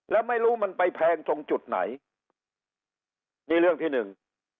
แล้วไม่รู้มันไปแพงตรงจุดไหนนี่เรื่องที่หนึ่ง